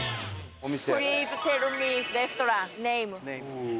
プリーズテルミーレストランネーム。